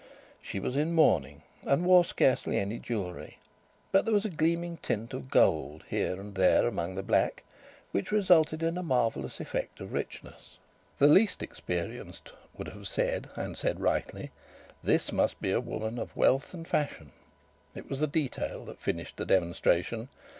She was in mourning, and wore scarcely any jewellery, but there was a gleaming tint of gold here and there among the black, which resulted in a marvellous effect of richness. The least experienced would have said, and said rightly: "This must be a woman of wealth and fashion." It was the detail that finished the demonstration.